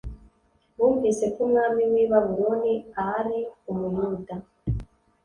bumvise ko umwami w i babuloni aari umuyuda